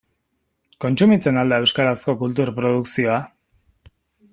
Kontsumitzen al da euskarazko kultur produkzioa?